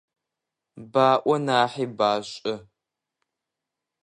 Баӏо нахьи башӏэ.